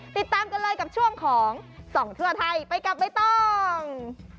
ติดตามกันเลยกับช่วงของส่องทั่วไทยไปกับใบตอง